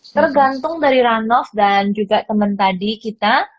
tergantung dari ranoff dan juga temen tadi kita